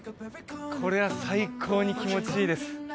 これは最高に気持ちいいです